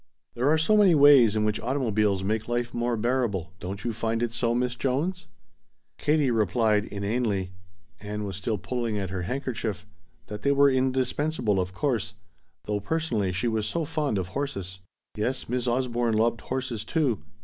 "There are so many ways in which automobiles make life more bearable, don't you find it so, Miss Jones?" Katie replied, inanely Ann was still pulling at her handkerchief that they were indispensable, of course, though personally she was so fond of horses . Yes, Miss Osborne loved horses too.